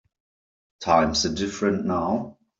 Times are different now.